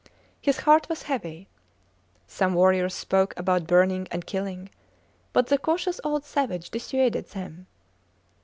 His heart was heavy. Some warriors spoke about burning and killing, but the cautious old savage dissuaded them.